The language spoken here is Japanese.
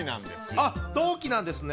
あっ同期なんですね。